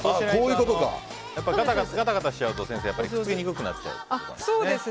ガタガタしちゃうとくっつきにくくなるんですか。